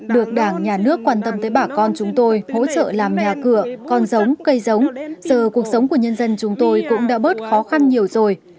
được đảng nhà nước quan tâm tới bà con chúng tôi hỗ trợ làm nhà cửa con giống cây giống giờ cuộc sống của nhân dân chúng tôi cũng đã bớt khó khăn nhiều rồi